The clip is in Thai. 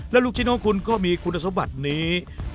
และลูกชิ้นของคุณก็มีคุณสมบัตินี้